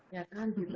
ya kan gitu